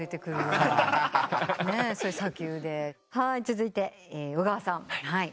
続いて小川さん。